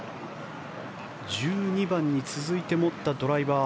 １２番に続いて持ったドライバー。